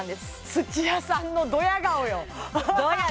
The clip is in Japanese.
土屋さんのドヤ顔よ